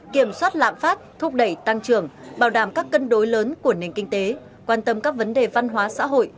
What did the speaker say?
kiểm soát lạm phát thúc đẩy tăng trưởng bảo đảm các cân đối lớn của nền kinh tế quan tâm các vấn đề văn hóa xã hội